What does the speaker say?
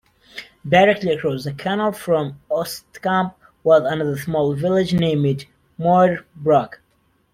Directly across the canal from Oostkamp was another small village named Moerbrugge.